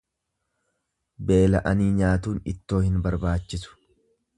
Beela'anii nyaatuun ittoo hin barbaachisu.